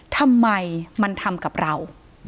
ทำไมมันทำกับเรา